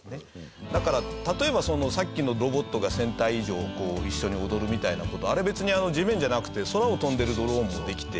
だから例えばさっきのロボットが１０００体以上一緒に踊るみたいな事あれ別に地面じゃなくて空を飛んでるドローンもできて。